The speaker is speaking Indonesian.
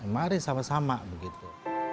mari sama sama begitu